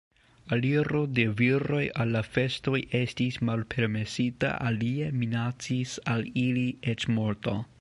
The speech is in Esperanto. Aliro de viroj al la festoj estis malpermesita, alie minacis al ili eĉ morto.